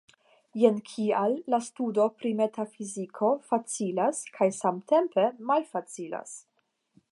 Jen kial la studo pri la metafiziko facilas kaj samtempe malfacilas.